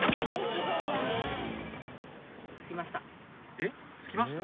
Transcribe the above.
えっ着きました？